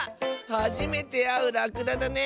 はじめてあうらくだだね！